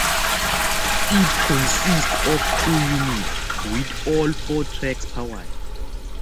It consists of two units, with all four tracks powered.